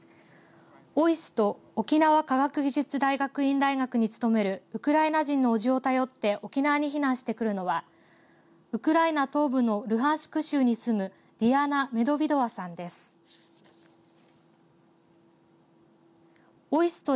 ＯＩＳＴ沖縄科学技術大学院大学に勤めるウクライナ人の叔父を頼って沖縄に避難してくるのはウクライナ東部のルハンシク州に住むディアナ・メドヴィドワさんです。